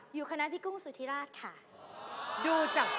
อยู่คณะพี่กุ้งสุธิราชค่ะ